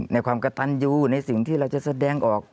ในความกระตันยูในสิ่งที่เราจะแสดงออก